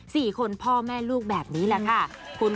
สี่คนพ่อแม่ลูกแบบนี้แหละค่ะคุณ